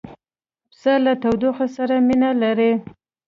پسه له تودوخې سره مینه لري.